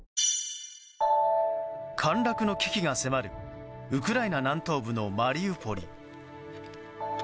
陥落の危機が迫るウクライナ南東部のマリウポリ。